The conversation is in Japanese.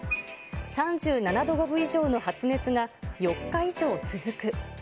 ３７度５分以上の発熱が４日以上続く。